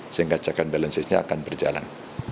sehingga cekan balansisnya akan berjalan